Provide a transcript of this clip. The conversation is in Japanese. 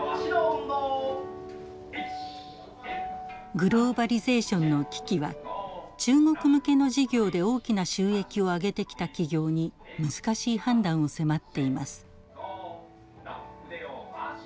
グローバリゼーションの危機は中国向けの事業で大きな収益をあげてきた企業に難しい判断を迫っています。